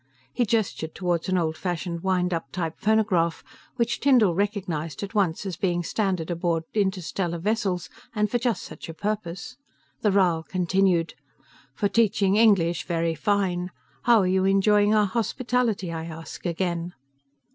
He gestured toward an old fashioned wind up type phonograph which Tyndall recognized at once as being standard aboard interstellar vessels, and for just such a purpose. The Rhal continued, "For teaching English very fine. How are you enjoying our hospitality, I ask again?"